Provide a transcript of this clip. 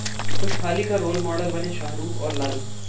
खुशहाली का रोलमॉडल बने शाहरुख और लालू